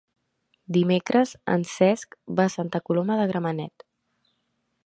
Dimecres en Cesc va a Santa Coloma de Gramenet.